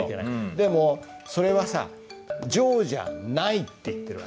でもそれはさ「常じゃない」って言ってる訳。